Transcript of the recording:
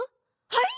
はい！？